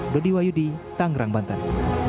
dodi wayudi tanggerang banten